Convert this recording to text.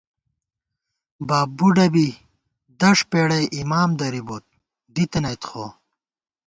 باب بُڈہ بی دݭ پېڑَئی اِمام درِبوت، دِتَنَئیت خو